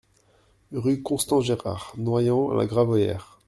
Rue Constant Gérard, Noyant-la-Gravoyère